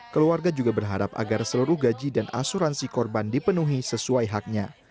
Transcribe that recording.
keluarga juga berharap agar seluruh gaji dan asuransi korban dipenuhi sesuai haknya